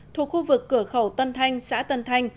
thuộc khu vực cửa khẩu tân thanh xã tân thanh